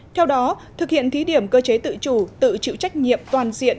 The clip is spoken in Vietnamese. theo đó thực hiện thí điểm cơ chế tự chủ tự chịu trách nhiệm toàn diện